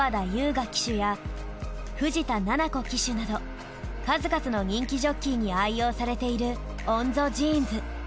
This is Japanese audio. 雅騎手や藤田菜七子騎手など数々の人気ジョッキーに愛用されているＯＮＺＯジーンズ。